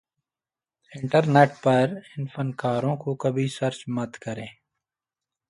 internet پر ان فنکاروں کو کبھی سرچ مت کریں